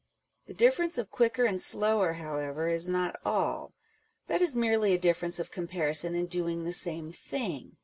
The difference of quicker and sloioer, however, is not all : that is merely a difference of comparison in doing the same thing.